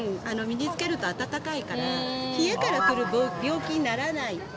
身に着けると温かいから冷えからくる病気にならない。